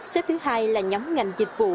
sếp thứ hai là nhóm ngành dịch vụ